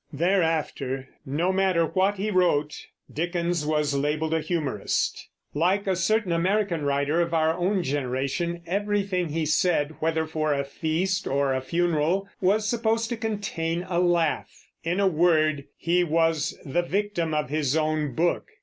Thereafter, no matter what he wrote, Dickins was lbeled a humorist. Like a certain American writer of our own generation, everything he said, whether for a feast or a funeral, was spposed to contain a laugh. In a word, he was the victim of his own book.